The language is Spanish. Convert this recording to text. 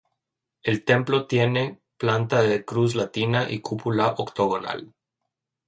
El templo tiene planta de cruz latina y cúpula octogonal.